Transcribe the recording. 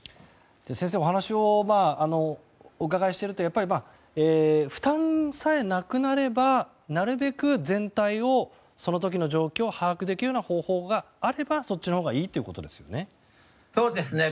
先生お話をお伺いしているとやっぱり、負担さえなくなればなるべく全体をその時の状況を把握できるような方法があればそっちのほうがいいってことですよね。